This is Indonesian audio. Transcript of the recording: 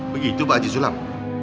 begitu pak aji sulam